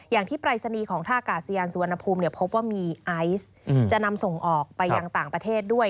อย่างที่ปรายศนีย์ของท่ากาศยานสุวรรณภูมิพบว่ามีไอซ์จะนำส่งออกไปยังต่างประเทศด้วย